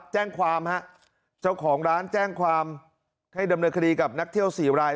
เจ้าของร้านแจ้งความให้ดำเนินคดีกับนักเที่ยว๔ราย